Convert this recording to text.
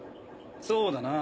そうだな。